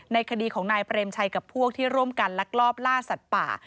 คดีของนายเปรมชัยกับพวกที่ร่วมกันลักลอบล่าสัตว์ป่า